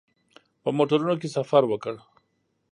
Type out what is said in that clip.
په موټرونو کې سفر وکړ.